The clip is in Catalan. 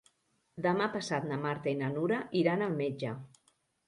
Demà passat na Marta i na Nura iran al metge.